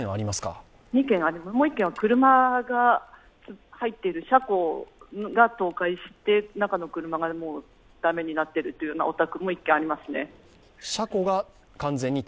もう１軒は車が入っている車庫が倒壊して中の車が駄目になっているというようなお宅も１軒ありますね。